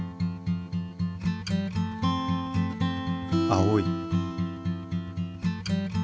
青い。